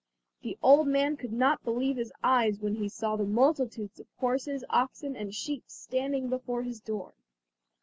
The old man could not believe his eyes when he saw the multitudes of horses, oxen and sheep standing before his door.